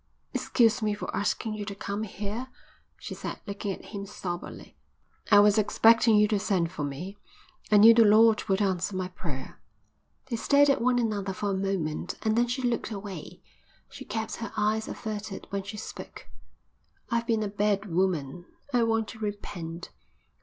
"Excuse me for asking you to come here," she said, looking at him sombrely. "I was expecting you to send for me. I knew the Lord would answer my prayer." They stared at one another for a moment and then she looked away. She kept her eyes averted when she spoke. "I've been a bad woman. I want to repent."